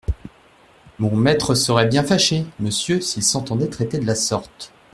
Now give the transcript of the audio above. Mon maître serait bien fâché, monsieur, s’il s’entendait traiter de la sorte.